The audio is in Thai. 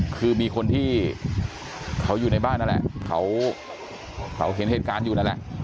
คือมีคนที่เขาอยู่ในบ้านนั่นแหละเขาเห็นเหตุการณ์อยู่นั่นแหละ